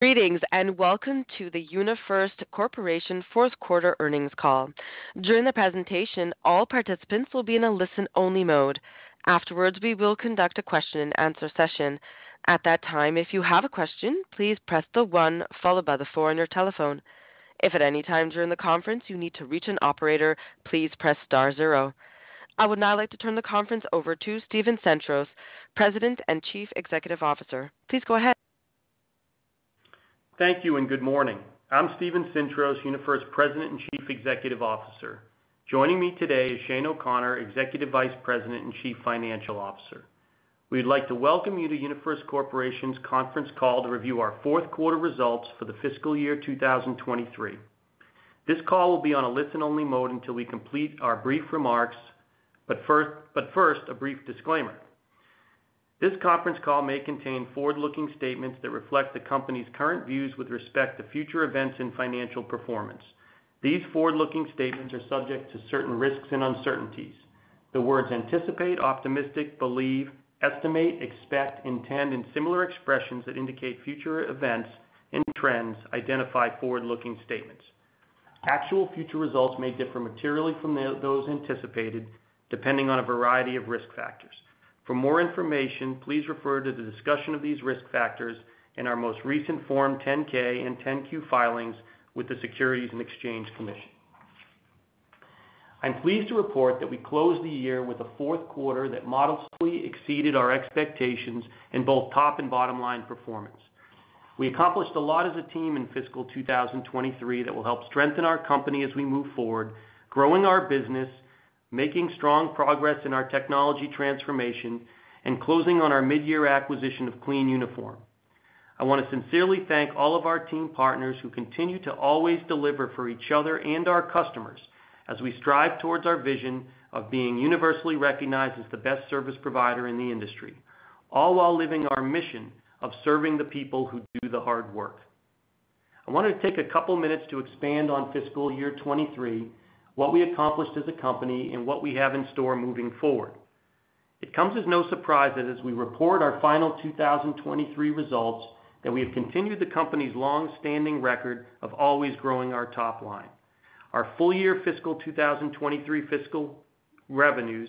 Greetings, and welcome to the UniFirst Corporation fourth quarter earnings call. During the presentation, all participants will be in a listen-only mode. Afterwards, we will conduct a question-and-answer session. At that time, if you have a question, please press the one followed by the four on your telephone. If at any time during the conference you need to reach an operator, please press star zero. I would now like to turn the conference over to Steven Sintros, President and Chief Executive Officer. Please go ahead. Thank you, and good morning. I'm Steven Sintros, UniFirst President and Chief Executive Officer. Joining me today is Shane O'Connor, Executive Vice President and Chief Financial Officer. We'd like to welcome you to UniFirst Corporation's conference call to review our fourth quarter results for the fiscal year 2023. This call will be on a listen-only mode until we complete our brief remarks, but first, a brief disclaimer. This conference call may contain forward-looking statements that reflect the company's current views with respect to future events and financial performance. These forward-looking statements are subject to certain risks and uncertainties. The words anticipate, optimistic, believe, estimate, expect, intend, and similar expressions that indicate future events and trends identify forward-looking statements. Actual future results may differ materially from those anticipated, depending on a variety of risk factors. For more information, please refer to the discussion of these risk factors in our most recent Form 10-K and 10-Q filings with the Securities and Exchange Commission. I'm pleased to report that we closed the year with a fourth quarter that modestly exceeded our expectations in both top and bottom line performance. We accomplished a lot as a team in fiscal 2023 that will help strengthen our company as we move forward, growing our business, making strong progress in our technology transformation, and closing on our mid-year acquisition of Clean Uniform. I want to sincerely thank all of our team partners who continue to always deliver for each other and our customers, as we strive towards our vision of being universally recognized as the best service provider in the industry, all while living our mission of serving the people who do the hard work. I wanted to take a couple of minutes to expand on fiscal year 2023, what we accomplished as a company, and what we have in store moving forward. It comes as no surprise that as we report our final 2023 results, that we have continued the company's long-standing record of always growing our top line. Our full year fiscal 2023 fiscal revenues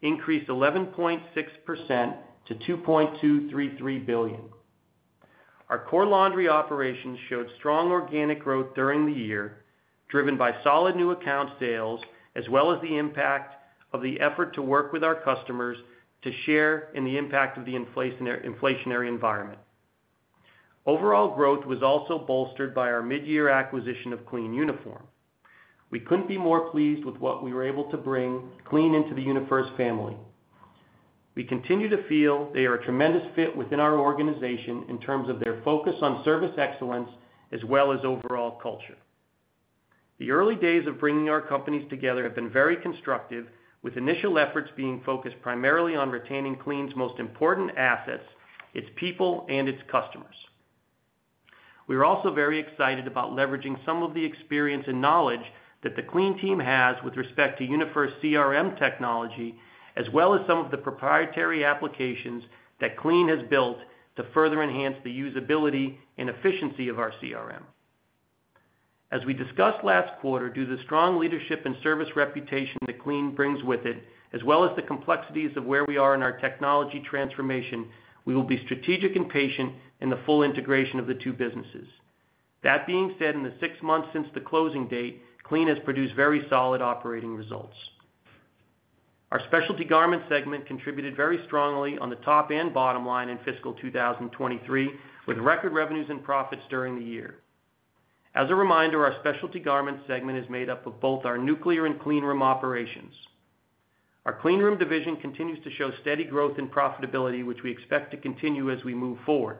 increased 11.6% to $2.233 billion. Our Core Laundry Operations showed strong organic growth during the year, driven by solid new account sales, as well as the impact of the effort to work with our customers to share in the impact of the inflationary environment. Overall growth was also bolstered by our mid-year acquisition of Clean Uniform. We couldn't be more pleased with what we were able to bring Clean into the UniFirst family. We continue to feel they are a tremendous fit within our organization in terms of their focus on service excellence as well as overall culture. The early days of bringing our companies together have been very constructive, with initial efforts being focused primarily on retaining Clean's most important assets, its people and its customers. We are also very excited about leveraging some of the experience and knowledge that the Clean team has with respect to UniFirst CRM technology, as well as some of the proprietary applications that Clean has built to further enhance the usability and efficiency of our CRM. As we discussed last quarter, due to the strong leadership and service reputation that Clean brings with it, as well as the complexities of where we are in our technology transformation, we will be strategic and patient in the full integration of the two businesses. That being said, in the six months since the closing date, Clean has produced very solid operating results. Our specialty garment segment contributed very strongly on the top and bottom line in fiscal 2023, with record revenues and profits during the year. As a reminder, our specialty garment segment is made up of both our nuclear and cleanroom operations. Our cleanroom division continues to show steady growth and profitability, which we expect to continue as we move forward.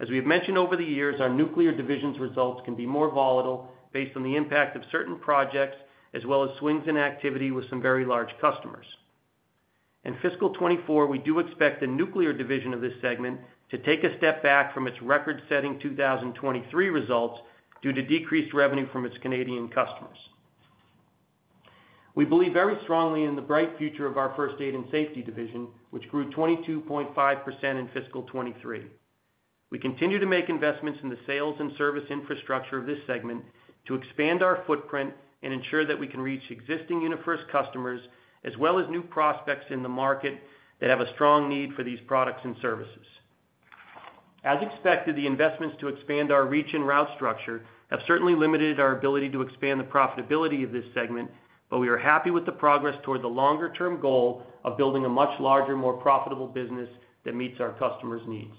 As we have mentioned over the years, our nuclear divisions results can be more volatile based on the impact of certain projects, as well as swings in activity with some very large customers. In fiscal 2024, we do expect the nuclear division of this segment to take a step back from its record-setting 2023 results due to decreased revenue from its Canadian customers. We believe very strongly in the bright future of our First Aid & Safety Solutions, which grew 22.5% in fiscal 2023. We continue to make investments in the sales and service infrastructure of this segment to expand our footprint and ensure that we can reach existing UniFirst customers, as well as new prospects in the market that have a strong need for these products and services. As expected, the investments to expand our reach and route structure have certainly limited our ability to expand the profitability of this segment, but we are happy with the progress toward the longer-term goal of building a much larger, more profitable business that meets our customers' needs.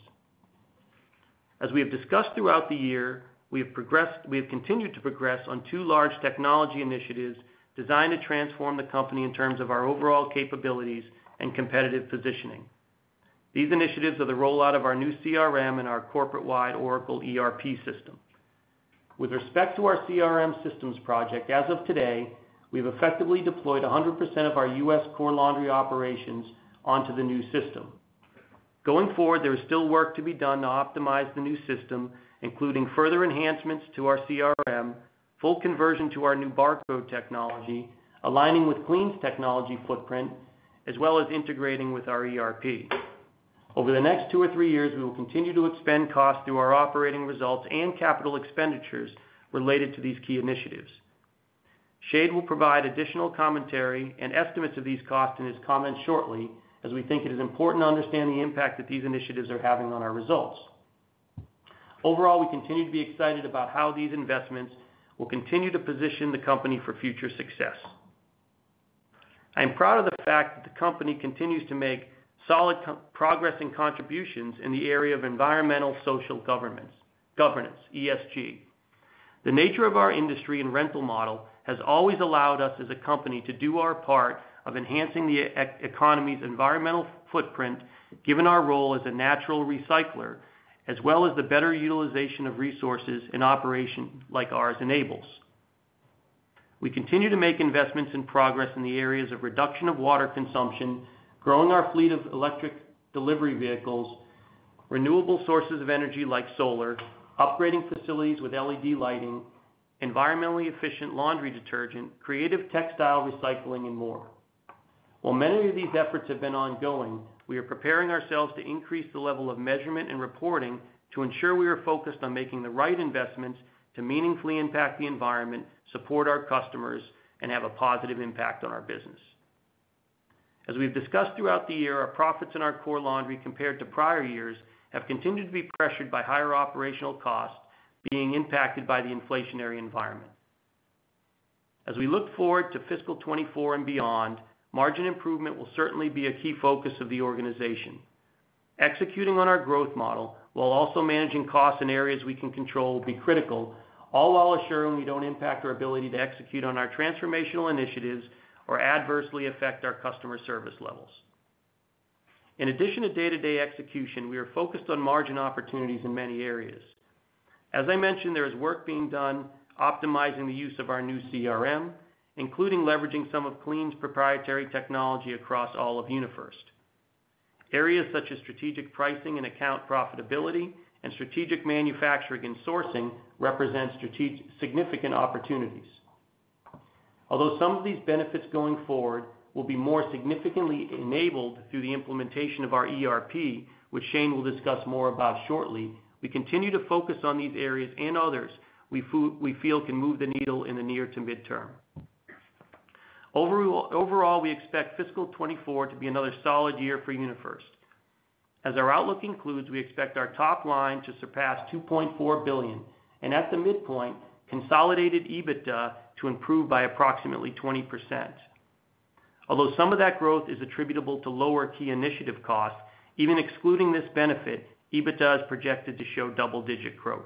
As we have discussed throughout the year, we have continued to progress on two large technology initiatives designed to transform the company in terms of our overall capabilities and competitive positioning. These initiatives are the rollout of our new CRM and our corporate-wide Oracle ERP system. With respect to our CRM systems project, as of today, we've effectively deployed 100% of our U.S. Core Laundry Operations onto the new system. Going forward, there is still work to be done to optimize the new system, including further enhancements to our CRM, full conversion to our new barcode technology, aligning with Clean's technology footprint, as well as integrating with our ERP. Over the next two or three years, we will continue to expend costs through our operating results and capital expenditures related to these key initiatives. Shane will provide additional commentary and estimates of these costs in his comments shortly, as we think it is important to understand the impact that these initiatives are having on our results. Overall, we continue to be excited about how these investments will continue to position the company for future success. I'm proud of the fact that the company continues to make solid progress and contributions in the area of Environmental, Social, and Governance, ESG. The nature of our industry and rental model has always allowed us, as a company, to do our part of enhancing the economy's environmental footprint, given our role as a natural recycler, as well as the better utilization of resources an operation like ours enables. We continue to make investments and progress in the areas of reduction of water consumption, growing our fleet of electric delivery vehicles, renewable sources of energy like solar, upgrading facilities with LED lighting, environmentally efficient laundry detergent, creative textile recycling, and more. While many of these efforts have been ongoing, we are preparing ourselves to increase the level of measurement and reporting to ensure we are focused on making the right investments to meaningfully impact the environment, support our customers, and have a positive impact on our business. As we've discussed throughout the year, our profits in our Core Laundry, compared to prior years, have continued to be pressured by higher operational costs being impacted by the inflationary environment. As we look forward to fiscal 2024 and beyond, margin improvement will certainly be a key focus of the organization. Executing on our growth model, while also managing costs in areas we can control, will be critical, all while assuring we don't impact our ability to execute on our transformational initiatives or adversely affect our customer service levels. In addition to day-to-day execution, we are focused on margin opportunities in many areas. As I mentioned, there is work being done optimizing the use of our new CRM, including leveraging some of Clean's proprietary technology across all of UniFirst. Areas such as strategic pricing and account profitability, and strategic manufacturing and sourcing, represent significant opportunities. Although some of these benefits going forward will be more significantly enabled through the implementation of our ERP, which Shane will discuss more about shortly, we continue to focus on these areas and others we feel can move the needle in the near to midterm. Overall, we expect fiscal 2024 to be another solid year for UniFirst. As our outlook includes, we expect our top line to surpass $2.4 billion, and at the midpoint, consolidated EBITDA to improve by approximately 20%. Although some of that growth is attributable to lower key initiative costs, even excluding this benefit, EBITDA is projected to show double-digit growth.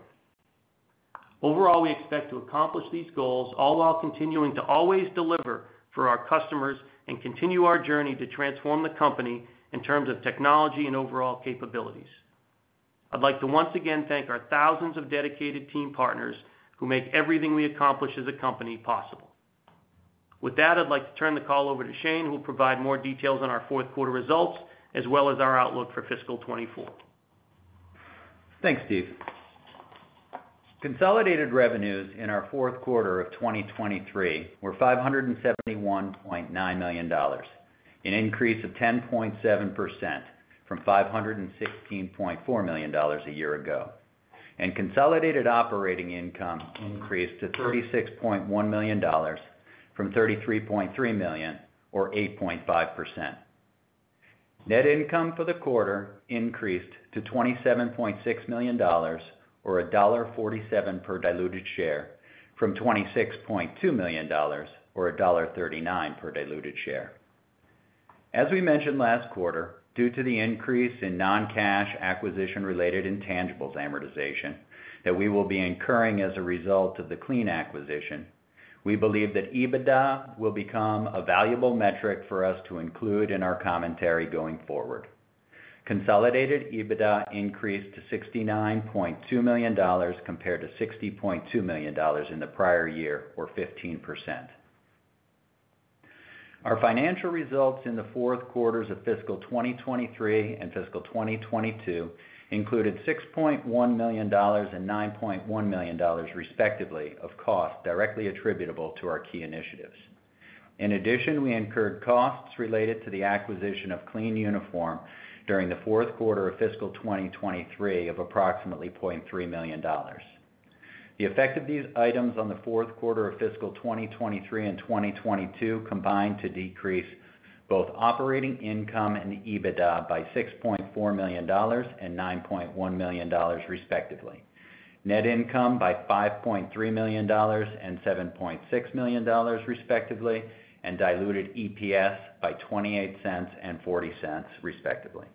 Overall, we expect to accomplish these goals, all while continuing to always deliver for our customers and continue our journey to transform the company in terms of technology and overall capabilities. I'd like to once again thank our thousands of dedicated team partners who make everything we accomplish as a company possible. With that, I'd like to turn the call over to Shane, who will provide more details on our fourth quarter results, as well as our outlook for fiscal 2024. Thanks, Steve. Consolidated revenues in our fourth quarter of 2023 were $571.9 million, an increase of 10.7% from $516.4 million a year ago. Consolidated operating income increased to $36.1 million from $33.3 million, or 8.5%. Net income for the quarter increased to $27.6 million, or $1.47 per diluted share, from $26.2 million, or $1.39 per diluted share. As we mentioned last quarter, due to the increase in non-cash acquisition-related intangibles amortization that we will be incurring as a result of the Clean acquisition, we believe that EBITDA will become a valuable metric for us to include in our commentary going forward. Consolidated EBITDA increased to $69.2 million, compared to $60.2 million in the prior year, or 15%. Our financial results in the fourth quarters of fiscal 2023 and fiscal 2022 included $6.1 million and $9.1 million, respectively, of costs directly attributable to our key initiatives. In addition, we incurred costs related to the acquisition of Clean Uniform during the fourth quarter of fiscal 2023 of approximately $0.3 million. The effect of these items on the fourth quarter of fiscal 2023 and 2022 combined to decrease both operating income and EBITDA by $6.4 million and $9.1 million, respectively, net income by $5.3 million and $7.6 million, respectively, and diluted EPS by $0.28 and $0.40, respectively.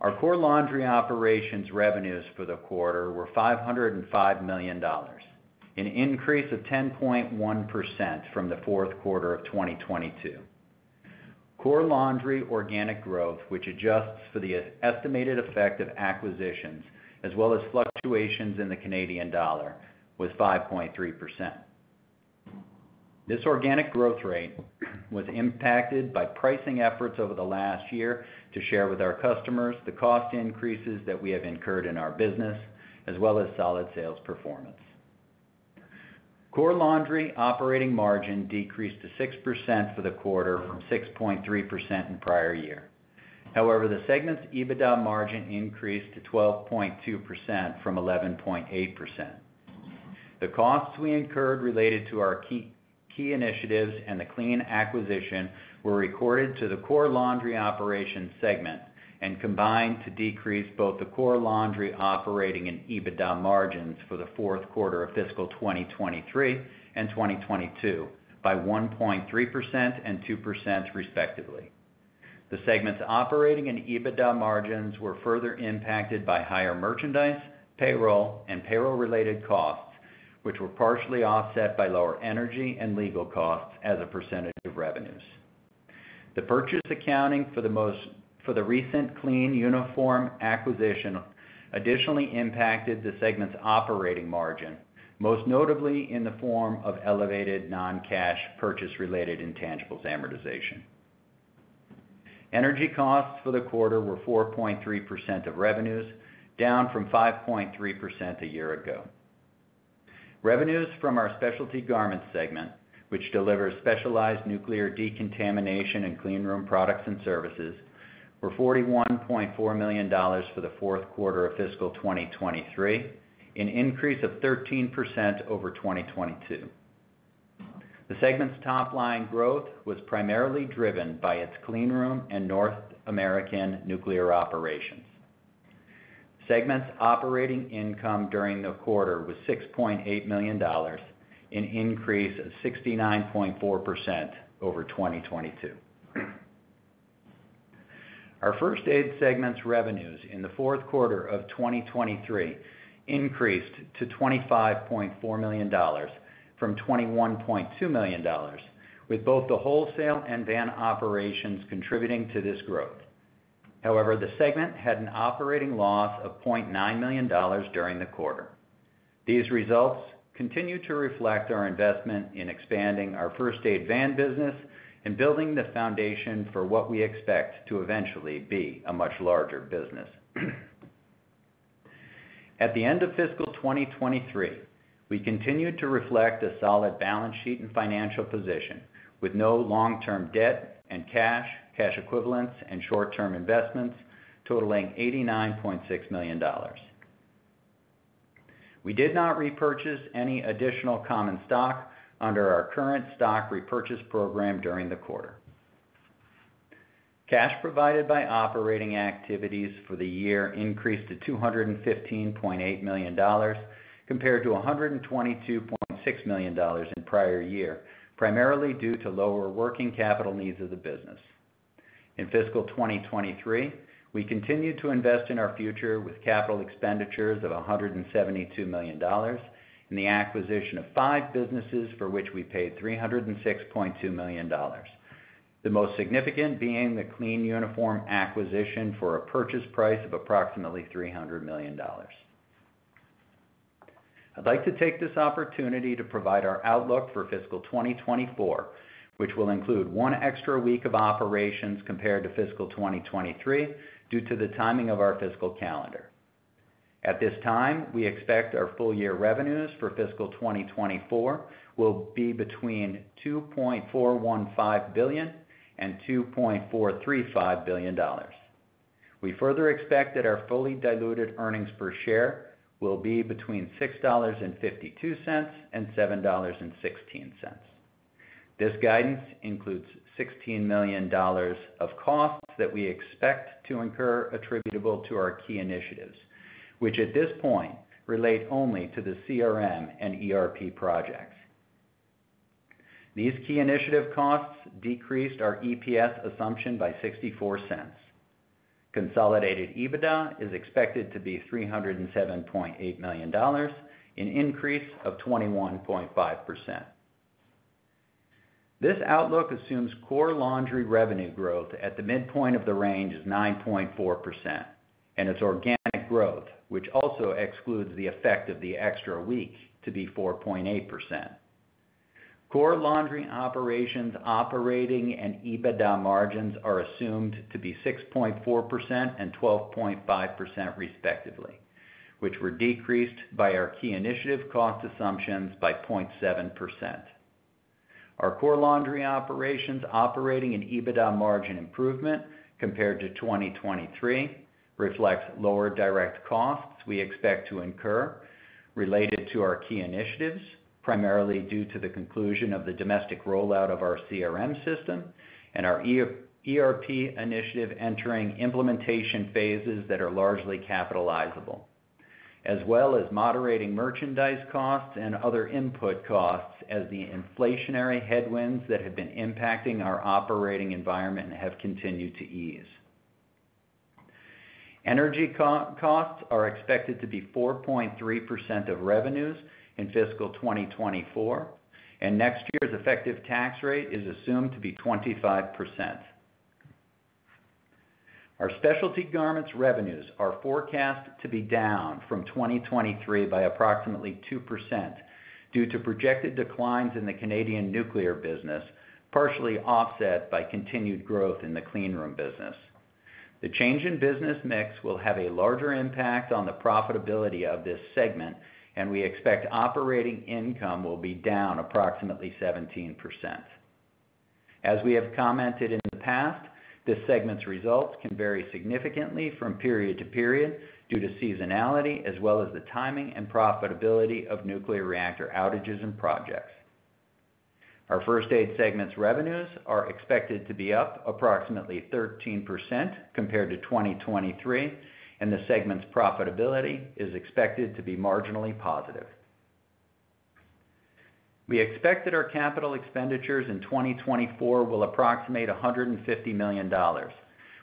Our Core Laundry Operations revenues for the quarter were $505 million, an increase of 10.1% from the fourth quarter of 2022. Core Laundry organic growth, which adjusts for the estimated effect of acquisitions, as well as fluctuations in the Canadian dollar, was 5.3%. This organic growth rate was impacted by pricing efforts over the last year to share with our customers the cost increases that we have incurred in our business, as well as solid sales performance.... Core Laundry operating margin decreased to 6% for the quarter, from 6.3% in prior year. However, the segment's EBITDA margin increased to 12.2% from 11.8%. The costs we incurred related to our key initiatives and the Clean acquisition were recorded to the Core Laundry operation segment, and combined to decrease both the Core Laundry operating and EBITDA margins for the fourth quarter of fiscal 2023 and 2022, by 1.3% and 2% respectively. The segment's operating and EBITDA margins were further impacted by higher merchandise, payroll, and payroll-related costs, which were partially offset by lower energy and legal costs as a percentage of revenues. The purchase accounting for the most recent Clean Uniform acquisition additionally impacted the segment's operating margin, most notably in the form of elevated non-cash purchase-related intangibles amortization. Energy costs for the quarter were 4.3% of revenues, down from 5.3% a year ago. Revenues from our Specialty Garments segment, which delivers specialized nuclear decontamination and cleanroom products and services, were $41.4 million for the fourth quarter of fiscal 2023, an increase of 13% over 2022. The segment's top-line growth was primarily driven by its cleanroom and North American nuclear operations. Segment's operating income during the quarter was $6.8 million, an increase of 69.4% over 2022. Our First Aid segment's revenues in the fourth quarter of 2023 increased to $25.4 million from $21.2 million, with both the wholesale and van operations contributing to this growth. However, the segment had an operating loss of $0.9 million during the quarter. These results continue to reflect our investment in expanding our First Aid van business and building the foundation for what we expect to eventually be a much larger business. At the end of fiscal 2023, we continued to reflect a solid balance sheet and financial position, with no long-term debt and cash, cash equivalents, and short-term investments totaling $89.6 million. We did not repurchase any additional common stock under our current stock repurchase program during the quarter. Cash provided by operating activities for the year increased to $215.8 million, compared to $122.6 million in prior year, primarily due to lower working capital needs of the business. In fiscal 2023, we continued to invest in our future with capital expenditures of $172 million, and the acquisition of five businesses for which we paid $306.2 million. The most significant being the Clean Uniform acquisition for a purchase price of approximately $300 million. I'd like to take this opportunity to provide our outlook for fiscal 2024, which will include one extra week of operations compared to fiscal 2023, due to the timing of our fiscal calendar. At this time, we expect our full year revenues for fiscal 2024 will be between $2.415 billion and $2.435 billion. We further expect that our fully diluted earnings per share will be between $6.52 and $7.16. This guidance includes $16 million of costs that we expect to incur attributable to our key initiatives, which at this point, relate only to the CRM and ERP projects. These key initiative costs decreased our EPS assumption by $0.64. Consolidated EBITDA is expected to be $307.8 million, an increase of 21.5%. This outlook assumes Core Laundry revenue growth at the midpoint of the range is 9.4%, and its organic growth, which also excludes the effect of the extra week, to be 4.8%. Core Laundry Operations, operating and EBITDA margins are assumed to be 6.4% and 12.5% respectively, which were decreased by our key initiative cost assumptions by 0.7%. Our Core Laundry Operations, operating and EBITDA margin improvement compared to 2023, reflects lower direct costs we expect to incur related to our key initiatives, primarily due to the conclusion of the domestic rollout of our CRM system and our ERP initiative entering implementation phases that are largely capitalizable, as well as moderating merchandise costs and other input costs as the inflationary headwinds that have been impacting our operating environment have continued to ease. Energy costs are expected to be 4.3% of revenues in fiscal 2024, and next year's effective tax rate is assumed to be 25%. Our Specialty Garments revenues are forecast to be down from 2023 by approximately 2%, due to projected declines in the Canadian nuclear business, partially offset by continued growth in the cleanroom business.... The change in business mix will have a larger impact on the profitability of this segment, and we expect operating income will be down approximately 17%. As we have commented in the past, this segment's results can vary significantly from period to period due to seasonality, as well as the timing and profitability of nuclear reactor outages and projects. Our First Aid segment's revenues are expected to be up approximately 13% compared to 2023, and the segment's profitability is expected to be marginally positive. We expect that our capital expenditures in 2024 will approximate $150 million,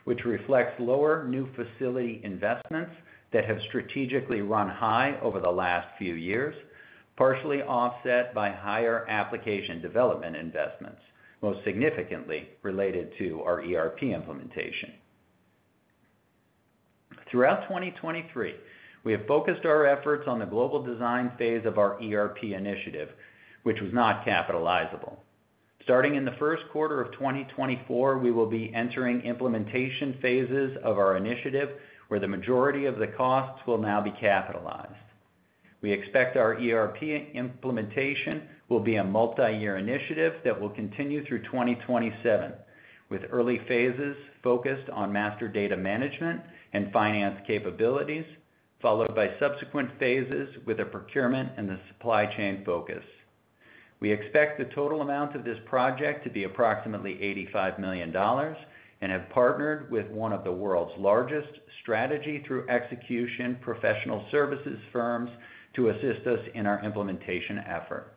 which reflects lower new facility investments that have strategically run high over the last few years, partially offset by higher application development investments, most significantly related to our ERP implementation. Throughout 2023, we have focused our efforts on the global design phase of our ERP initiative, which was not capitalizable. Starting in the first quarter of 2024, we will be entering implementation phases of our initiative, where the majority of the costs will now be capitalized. We expect our ERP implementation will be a multi-year initiative that will continue through 2027, with early phases focused on master data management and finance capabilities, followed by subsequent phases with a procurement and the supply chain focus. We expect the total amount of this project to be approximately $85 million and have partnered with one of the world's largest strategy through execution professional services firms to assist us in our implementation effort.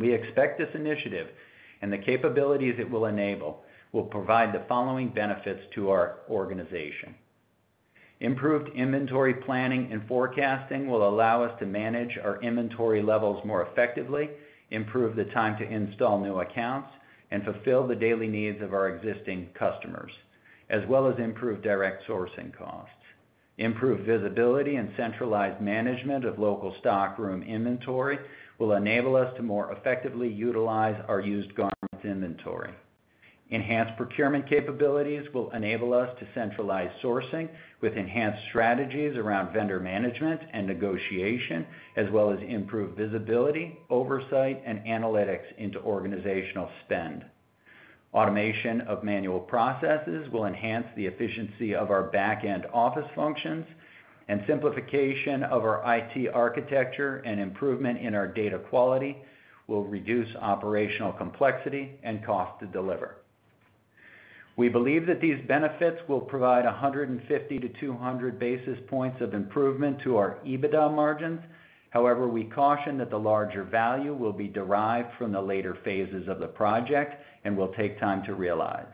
We expect this initiative and the capabilities it will enable, will provide the following benefits to our organization. Improved inventory planning and forecasting will allow us to manage our inventory levels more effectively, improve the time to install new accounts, and fulfill the daily needs of our existing customers, as well as improve direct sourcing costs. Improved visibility and centralized management of local stock room inventory will enable us to more effectively utilize our used garments inventory. Enhanced procurement capabilities will enable us to centralize sourcing with enhanced strategies around vendor management and negotiation, as well as improved visibility, oversight, and analytics into organizational spend. Automation of manual processes will enhance the efficiency of our back-end office functions, and simplification of our IT architecture and improvement in our data quality will reduce operational complexity and cost to deliver. We believe that these benefits will provide 150-200 basis points of improvement to our EBITDA margins. However, we caution that the larger value will be derived from the later phases of the project and will take time to realize.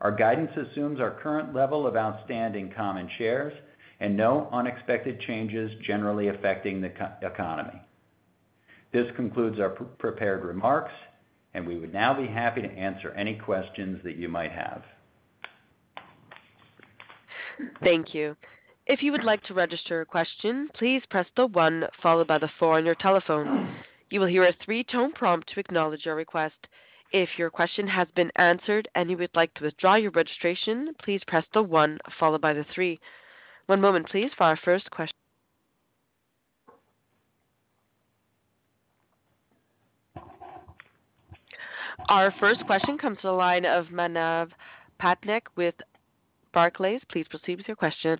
Our guidance assumes our current level of outstanding common shares and no unexpected changes generally affecting the the economy. This concludes our prepared remarks, and we would now be happy to answer any questions that you might have. Thank you. If you would like to register a question, please press the one followed by the four on your telephone. You will hear a three-tone prompt to acknowledge your request. If your question has been answered and you would like to withdraw your registration, please press the one followed by the three. One moment please, for our first question. Our first question comes to the line of Manav Patnaik with Barclays. Please proceed with your question.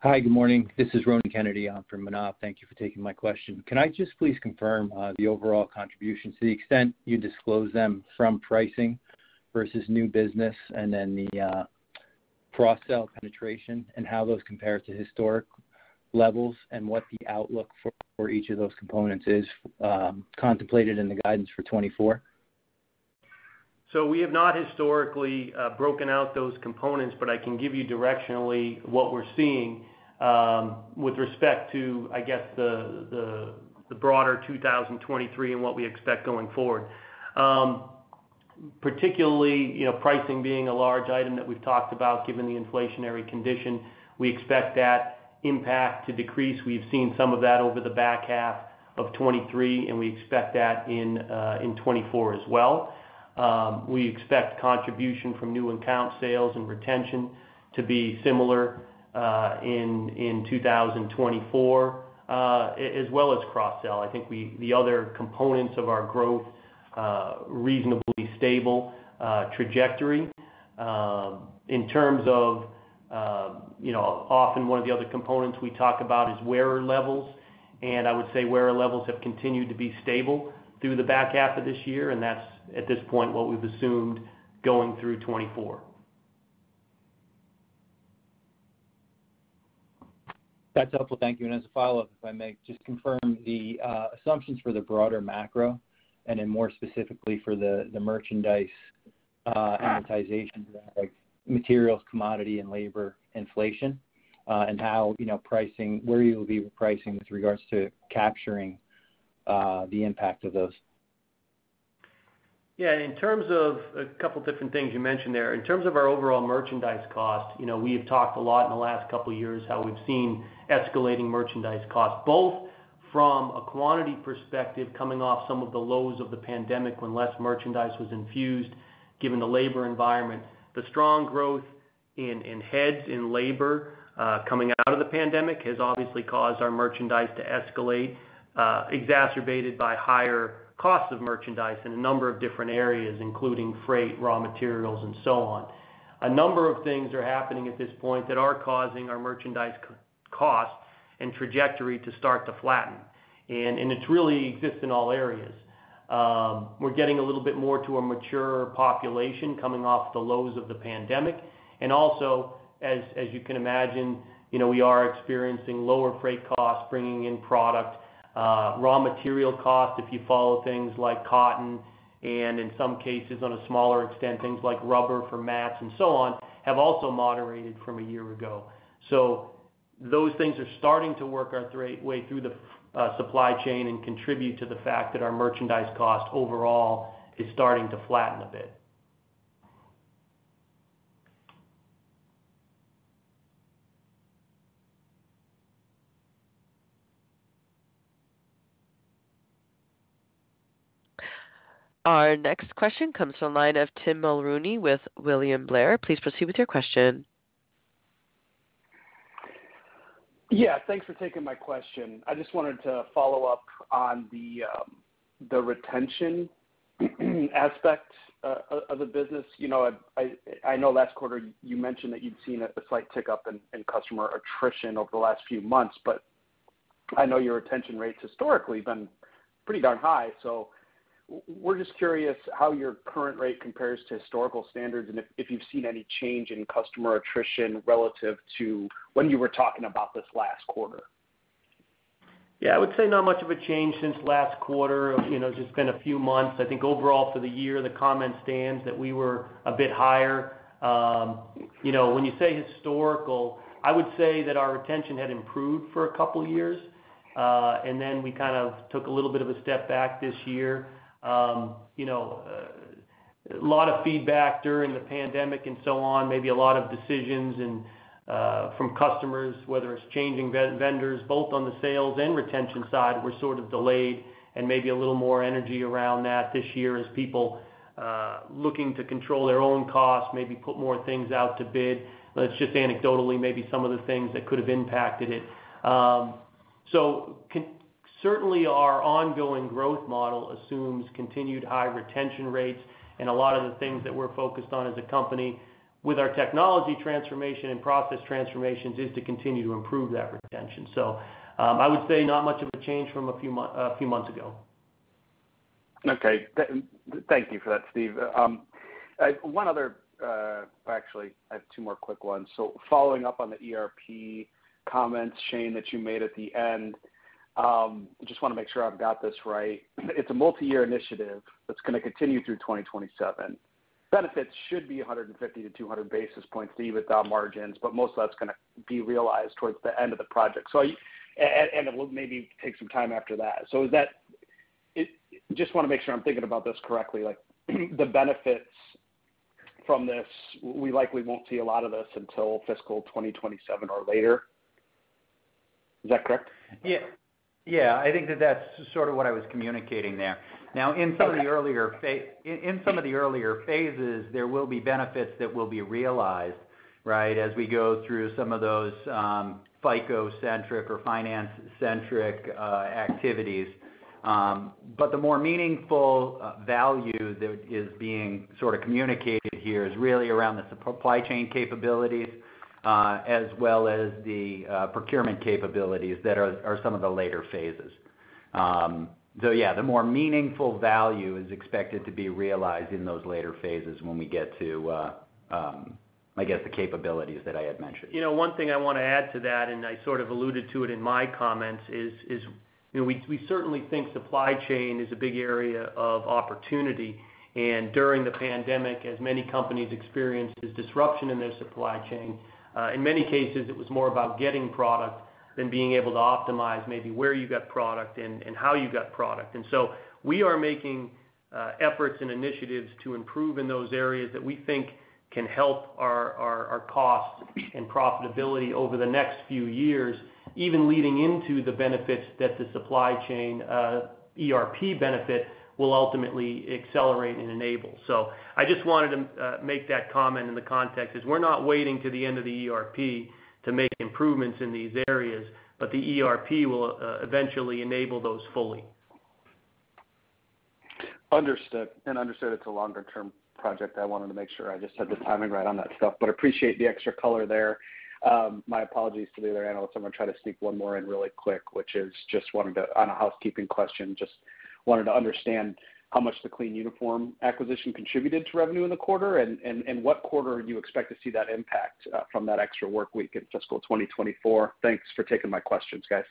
Hi, good morning. This is Ronan Kennedy in for Manav. Thank you for taking my question. Can I just please confirm, the overall contribution to the extent you disclose them from pricing versus new business, and then the, cross-sell penetration, and how those compare to historic levels, and what the outlook for, for each of those components is, contemplated in the guidance for 2024? So we have not historically broken out those components, but I can give you directionally what we're seeing with respect to, I guess, the broader 2023 and what we expect going forward. Particularly, you know, pricing being a large item that we've talked about, given the inflationary condition, we expect that impact to decrease. We've seen some of that over the back half of 2023, and we expect that in 2024 as well. We expect contribution from new account sales and retention to be similar in 2024 as well as cross-sell. I think the other components of our growth reasonably stable trajectory. In terms of, you know, often one of the other components we talk about is wearer levels, and I would say wearer levels have continued to be stable through the back half of this year, and that's, at this point, what we've assumed going through 2024. That's helpful. Thank you. And as a follow-up, if I may, just confirm the assumptions for the broader macro and then more specifically for the merchandise amortization, like materials, commodity and labor inflation, and how, you know, pricing, where you'll be with pricing with regards to capturing the impact of those? Yeah, in terms of a couple different things you mentioned there. In terms of our overall merchandise cost, you know, we have talked a lot in the last couple of years how we've seen escalating merchandise costs, both... from a quantity perspective, coming off some of the lows of the pandemic, when less merchandise was infused, given the labor environment. The strong growth in heads in labor coming out of the pandemic has obviously caused our merchandise to escalate, exacerbated by higher costs of merchandise in a number of different areas, including freight, raw materials, and so on. A number of things are happening at this point that are causing our merchandise cost and trajectory to start to flatten, and it really exists in all areas. We're getting a little bit more to a mature population coming off the lows of the pandemic. And also, as you can imagine, you know, we are experiencing lower freight costs, bringing in product, raw material costs, if you follow things like cotton, and in some cases, on a smaller extent, things like rubber for mats and so on, have also moderated from a year ago. So those things are starting to work their way through the supply chain and contribute to the fact that our merchandise cost overall is starting to flatten a bit. Our next question comes from the line of Tim Mulrooney with William Blair. Please proceed with your question. Yeah, thanks for taking my question. I just wanted to follow up on the retention aspect of the business. You know, I know last quarter you mentioned that you'd seen a slight tick up in customer attrition over the last few months, but I know your retention rate's historically been pretty darn high. So we're just curious how your current rate compares to historical standards, and if you've seen any change in customer attrition relative to when you were talking about this last quarter. Yeah, I would say not much of a change since last quarter. You know, it's just been a few months. I think overall, for the year, the comment stands that we were a bit higher. You know, when you say historical, I would say that our retention had improved for a couple years, and then we kind of took a little bit of a step back this year. You know, a lot of feedback during the pandemic and so on, maybe a lot of decisions and, from customers, whether it's changing vendors, both on the sales and retention side, were sort of delayed and maybe a little more energy around that this year as people, looking to control their own costs, maybe put more things out to bid. That's just anecdotally, maybe some of the things that could have impacted it. Certainly, our ongoing growth model assumes continued high retention rates, and a lot of the things that we're focused on as a company with our technology transformation and process transformations, is to continue to improve that retention. So, I would say not much of a change from a few months ago. Okay. Thank you for that, Steve. Actually, I have two more quick ones. So following up on the ERP comments, Shane, that you made at the end, I just wanna make sure I've got this right. It's a multi-year initiative that's gonna continue through 2027. Benefits should be 150-200 basis points, even without margins, but most of that's gonna be realized towards the end of the project. And it will maybe take some time after that. So is that it? Just wanna make sure I'm thinking about this correctly, like, the benefits from this, we likely won't see a lot of this until fiscal 2027 or later. Is that correct? Yeah. Yeah, I think that that's sort of what I was communicating there. Now, in some of the earlier pha- Okay. In some of the earlier phases, there will be benefits that will be realized, right? As we go through some of those, FICO-centric or Finance-centric activities. But the more meaningful value that is being sort of communicated here is really around the supply chain capabilities, as well as the procurement capabilities that are some of the later phases. So yeah, the more meaningful value is expected to be realized in those later phases when we get to, I guess, the capabilities that I had mentioned. You know, one thing I want to add to that, and I sort of alluded to it in my comments, is you know, we certainly think supply chain is a big area of opportunity. And during the pandemic, as many companies experienced this disruption in their supply chain, in many cases, it was more about getting product than being able to optimize maybe where you got product and how you got product. And so we are making efforts and initiatives to improve in those areas that we think can help our costs and profitability over the next few years, even leading into the benefits that the supply chain ERP benefit will ultimately accelerate and enable. So I just wanted to make that comment in the context is we're not waiting to the end of the ERP to make improvements in these areas, but the ERP will eventually enable those fully. Understood. Understood it's a longer term project. I wanted to make sure I just had the timing right on that stuff, but appreciate the extra color there. My apologies to the other analysts. I'm gonna try to sneak one more in really quick, which is just a housekeeping question. Just wanted to understand how much the Clean Uniform acquisition contributed to revenue in the quarter, and what quarter you expect to see that impact from that extra work week in fiscal 2024? Thanks for taking my questions, guys.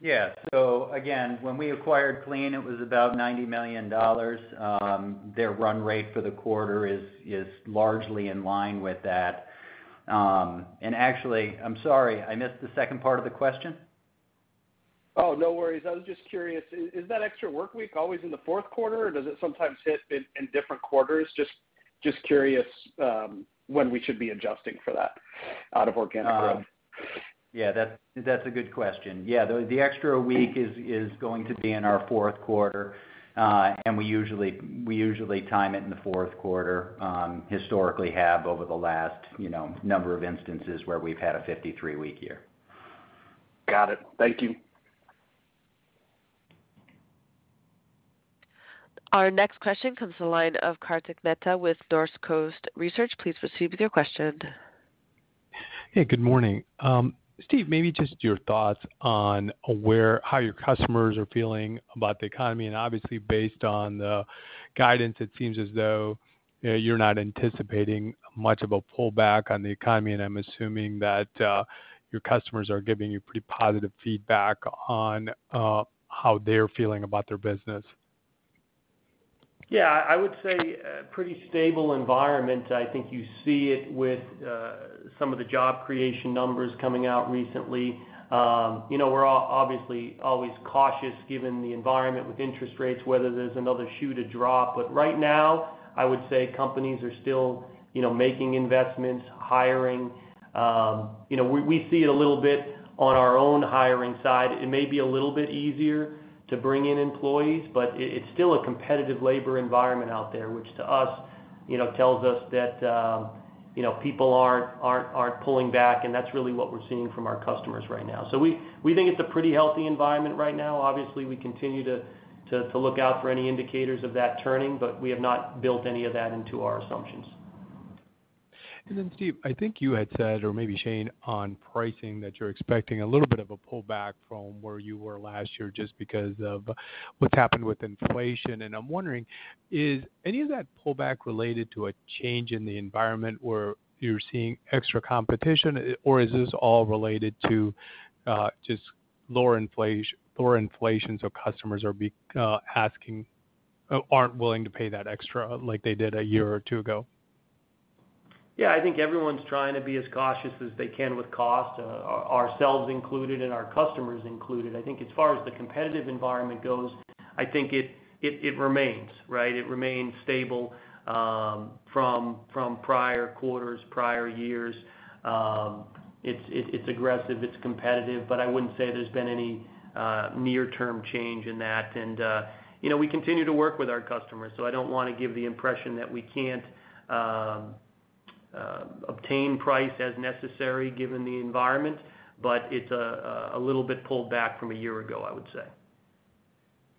Yeah. So again, when we acquired Clean, it was about $90 million. Their run rate for the quarter is largely in line with that. And actually... I'm sorry, I missed the second part of the question? ... Oh, no worries. I was just curious, is that extra work week always in the fourth quarter, or does it sometimes hit in different quarters? Just curious, when we should be adjusting for that out of organic growth. Yeah, that's a good question. Yeah, the extra week is going to be in our fourth quarter. And we usually time it in the fourth quarter, historically have over the last, you know, number of instances where we've had a 53-week year. Got it. Thank you. Our next question comes from the line of Kartik Mehta with Northcoast Research. Please proceed with your question. Hey, good morning. Steve, maybe just your thoughts on where, how your customers are feeling about the economy. Obviously, based on the guidance, it seems as though, you know, you're not anticipating much of a pullback on the economy, and I'm assuming that your customers are giving you pretty positive feedback on how they're feeling about their business. Yeah, I would say a pretty stable environment. I think you see it with some of the job creation numbers coming out recently. You know, we're obviously always cautious given the environment with interest rates, whether there's another shoe to drop. But right now, I would say companies are still, you know, making investments, hiring. You know, we see it a little bit on our own hiring side. It may be a little bit easier to bring in employees, but it's still a competitive labor environment out there, which to us, you know, tells us that, you know, people aren't pulling back, and that's really what we're seeing from our customers right now. So we think it's a pretty healthy environment right now. Obviously, we continue to look out for any indicators of that turning, but we have not built any of that into our assumptions. And then, Steve, I think you had said, or maybe Shane, on pricing, that you're expecting a little bit of a pullback from where you were last year just because of what's happened with inflation. I'm wondering, is any of that pullback related to a change in the environment where you're seeing extra competition, or is this all related to just lower inflation, so customers aren't willing to pay that extra like they did a year or two ago? Yeah, I think everyone's trying to be as cautious as they can with cost, ourselves included and our customers included. I think as far as the competitive environment goes, I think it remains, right? It remains stable from prior quarters, prior years. It's aggressive, it's competitive, but I wouldn't say there's been any near-term change in that. And you know, we continue to work with our customers, so I don't want to give the impression that we can't obtain price as necessary, given the environment, but it's a little bit pulled back from a year ago, I would say.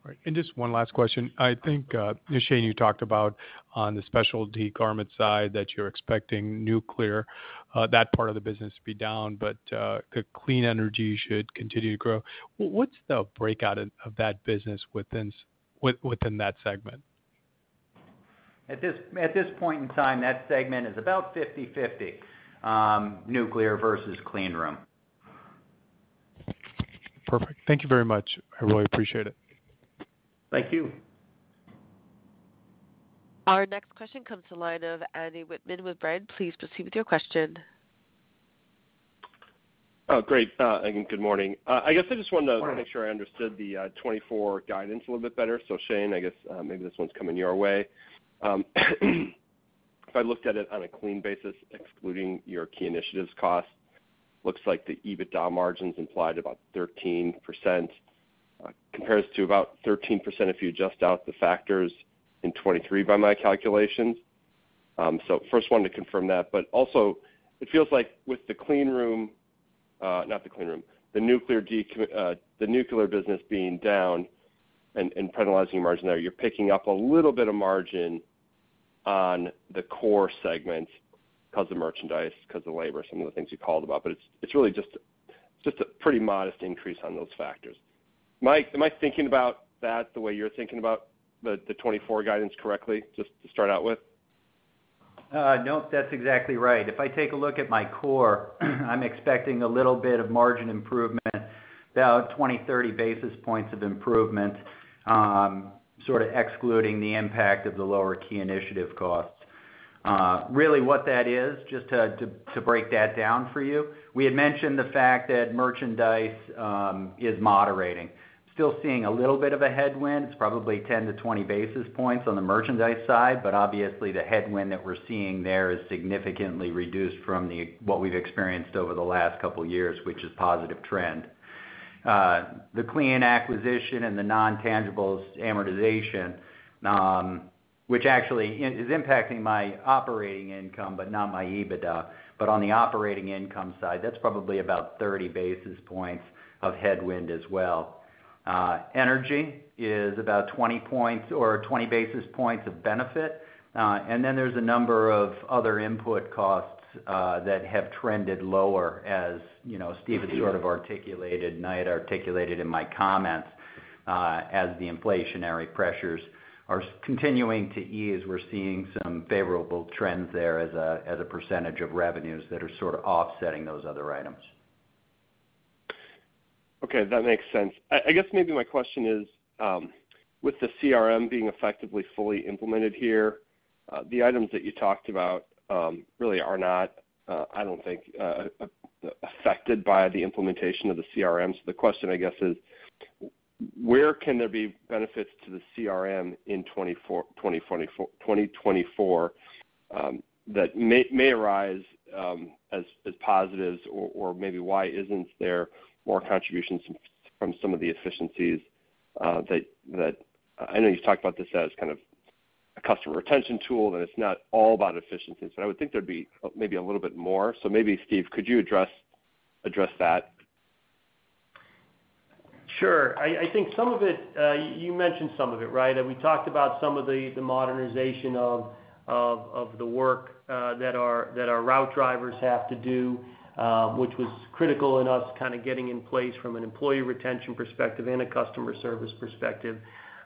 Right. And just one last question. I think, Shane, you talked about on the specialty garment side, that you're expecting nuclear, that part of the business to be down, but the Clean energy should continue to grow. What's the breakout of that business within that segment? At this point in time, that segment is about 50/50, nuclear versus cleanroom. Perfect. Thank you very much. I really appreciate it. Thank you. Our next question comes to the line of Andy Wittman with Baird. Please proceed with your question. Oh, great, and good morning. I guess I just wanted to make sure I understood the 2024 guidance a little bit better. So Shane, I guess, maybe this one's coming your way. If I looked at it on a Clean basis, excluding your key initiatives cost, looks like the EBITDA margins implied about 13%. Compares to about 13% if you adjust out the factors in 2023, by my calculations. So first, wanted to confirm that. But also, it feels like with cleanroom, not cleanroom, the nuclear business being down and penalizing the margin there, you're picking up a little bit of margin on the core segments because of merchandise, because of labor, some of the things you called about, but it's really just a pretty modest increase on those factors. Mike, am I thinking about that the way you're thinking about the 2024 guidance correctly, just to start out with? Nope, that's exactly right. If I take a look at my core, I'm expecting a little bit of margin improvement, about 20-30 basis points of improvement, sort of excluding the impact of the lower key initiative costs. Really what that is, just to break that down for you, we had mentioned the fact that merchandise is moderating. Still seeing a little bit of a headwind. It's probably 10 to 20 basis points on the merchandise side, but obviously, the headwind that we're seeing there is significantly reduced from the what we've experienced over the last couple of years, which is positive trend. The Clean acquisition and the intangibles amortization, which actually is impacting my operating income, but not my EBITDA. But on the operating income side, that's probably about 30 basis points of headwind as well. Energy is about 20 points or 20 basis points of benefit, and then there's a number of other input costs that have trended lower, as, you know, Steve sort of articulated, and I had articulated in my comments, as the inflationary pressures are continuing to ease, we're seeing some favorable trends there as a percentage of revenues that are sort of offsetting those other items. Okay, that makes sense. I guess maybe my question is, with the CRM being effectively fully implemented here, the items that you talked about really are not, I don't think, affected by the implementation of the CRMs. The question, I guess, is where can there be benefits to the CRM in 2024 that may arise as positives? Or maybe why isn't there more contributions from some of the efficiencies that I know you've talked about this as kind of a customer retention tool, and it's not all about efficiencies, but I would think there'd be maybe a little bit more. So maybe, Steve, could you address that? Sure. I think some of it, you mentioned some of it, right? And we talked about some of the modernization of the work that our route drivers have to do, which was critical in us kind of getting in place from an employee retention perspective and a customer service perspective.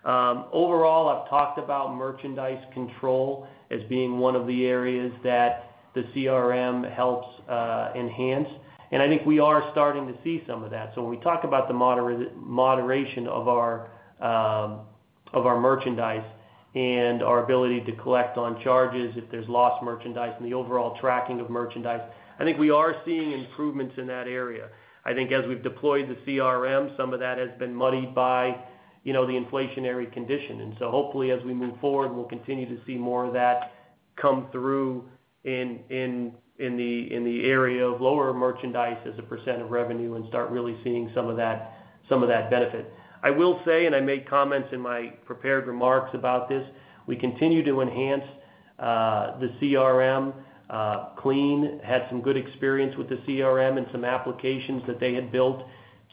Overall, I've talked about merchandise control as being one of the areas that the CRM helps enhance, and I think we are starting to see some of that. So when we talk about the moderation of our merchandise and our ability to collect on charges if there's lost merchandise and the overall tracking of merchandise, I think we are seeing improvements in that area. I think as we've deployed the CRM, some of that has been muddied by, you know, the inflationary condition. And so hopefully, as we move forward, we'll continue to see more of that come through in the area of lower merchandise as a percent of revenue and start really seeing some of that benefit. I will say, and I made comments in my prepared remarks about this, we continue to enhance the CRM. Clean had some good experience with the CRM and some applications that they had built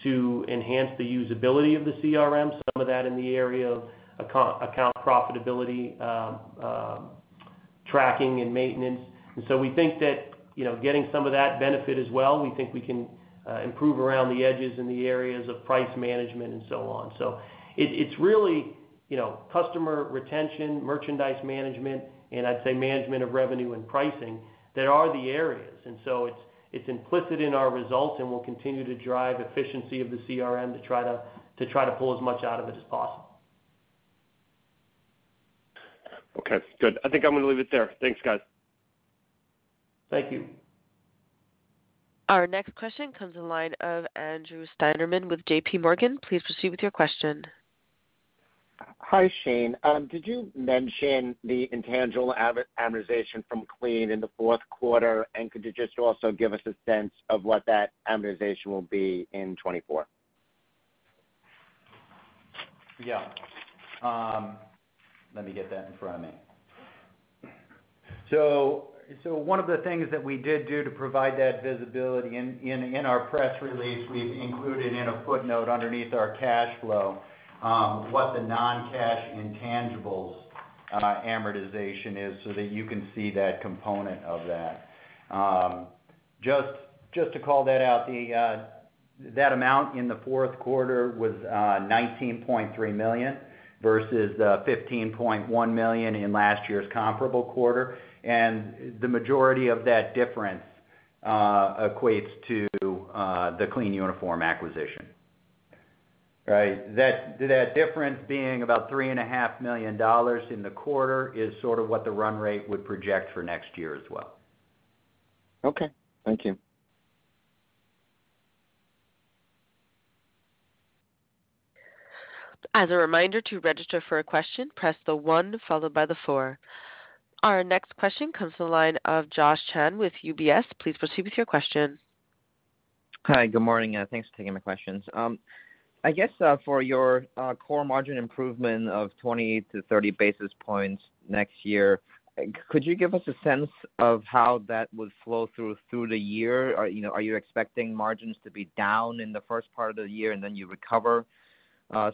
to enhance the usability of the CRM, some of that in the area of account profitability tracking and maintenance. And so we think that, you know, getting some of that benefit as well, we think we can improve around the edges in the areas of price management and so on. So it's really, you know, customer retention, merchandise management, and I'd say management of revenue and pricing that are the areas. And so it's implicit in our results, and we'll continue to drive efficiency of the CRM to try to pull as much out of it as possible. Okay, good. I think I'm going to leave it there. Thanks, guys. Thank you. Our next question comes in the line of Andrew Steinerman with JPMorgan. Please proceed with your question. Hi, Shane. Did you mention the intangible amortization from Clean in the fourth quarter? And could you just also give us a sense of what that amortization will be in 2024? Yeah. Let me get that in front of me. So, one of the things that we did do to provide that visibility in our press release, we've included in a footnote underneath our cash flow, what the non-cash intangibles amortization is, so that you can see that component of that. Just to call that out, that amount in the fourth quarter was $19.3 million, versus $15.1 million in last year's comparable quarter. And the majority of that difference equates to the Clean Uniform acquisition. Right, that difference being about $3.5 million in the quarter is sort of what the run rate would project for next year as well. Okay. Thank you. As a reminder, to register for a question, press the one followed by the four. Our next question comes to the line of Josh Chen with UBS. Please proceed with your question. Hi, good morning, and thanks for taking my questions. I guess, for your core margin improvement of 20-30 basis points next year, could you give us a sense of how that would flow through the year? You know, are you expecting margins to be down in the first part of the year, and then you recover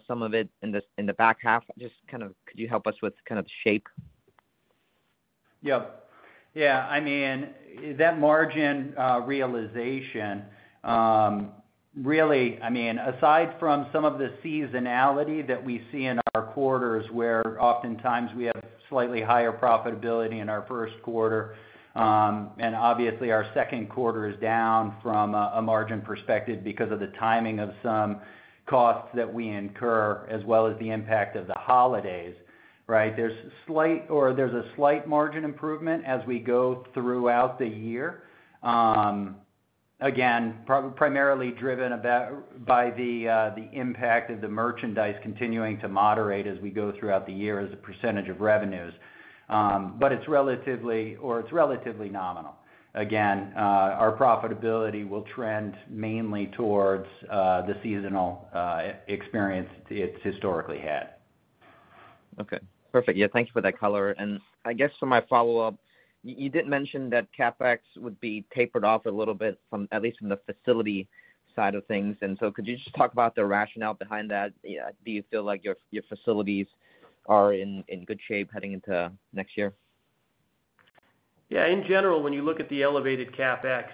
some of it in the back half? Just kind of, could you help us with kind of the shape? Yeah. Yeah, I mean, that margin realization really, I mean, aside from some of the seasonality that we see in our quarters, where oftentimes we have slightly higher profitability in our first quarter, and obviously our second quarter is down from a margin perspective because of the timing of some costs that we incur, as well as the impact of the holidays, right? There's a slight margin improvement as we go throughout the year. Again, primarily driven by the impact of the merchandise continuing to moderate as we go throughout the year as a percentage of revenues. But it's relatively nominal. Again, our profitability will trend mainly towards the seasonal experience it's historically had. Okay, perfect. Yeah, thanks for that color. And I guess for my follow-up, you did mention that CapEx would be tapered off a little bit from, at least from the facility side of things. And so could you just talk about the rationale behind that? Do you feel like your facilities are in good shape heading into next year? Yeah, in general, when you look at the elevated CapEx,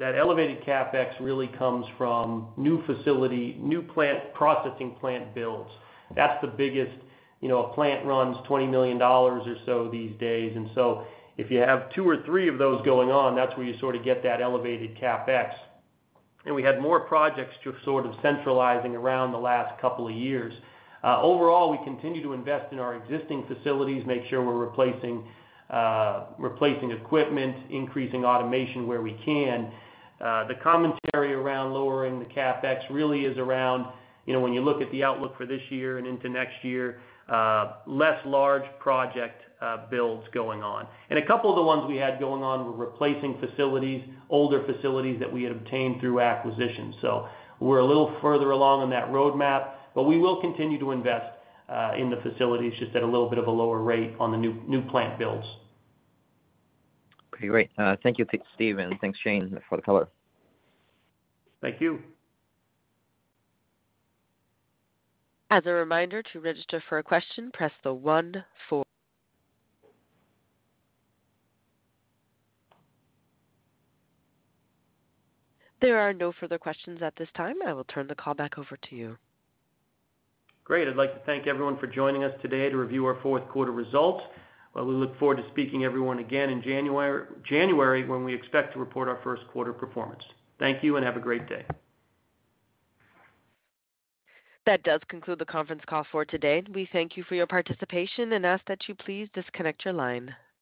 that elevated CapEx really comes from new facility, new plant, processing plant builds. That's the biggest, you know, a plant runs $20 million or so these days. And so if you have two or three of those going on, that's where you sort of get that elevated CapEx. And we had more projects just sort of centralizing around the last couple of years. Overall, we continue to invest in our existing facilities, make sure we're replacing, replacing equipment, increasing automation where we can. The commentary around lowering the CapEx really is around, you know, when you look at the outlook for this year and into next year, less large project, builds going on. And a couple of the ones we had going on were replacing facilities, older facilities that we had obtained through acquisition. So we're a little further along on that roadmap, but we will continue to invest in the facilities, just at a little bit of a lower rate on the new plant builds. Okay, great. Thank you, Steve, and thanks, Shane, for the color. Thank you. As a reminder, to register for a question, press the one four. There are no further questions at this time. I will turn the call back over to you. Great. I'd like to thank everyone for joining us today to review our fourth quarter results. Well, we look forward to speaking to everyone again in January when we expect to report our first quarter performance. Thank you, and have a great day. That does conclude the conference call for today. We thank you for your participation and ask that you please disconnect your line.